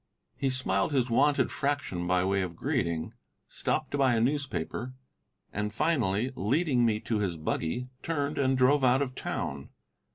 He smiled his wonted fraction by way of greeting, stopped to buy a newspaper, and finally leading me to his buggy, turned and drove out of town.